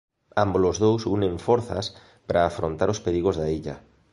Ámbolos dous unen forzas para afrontar os perigos da illa.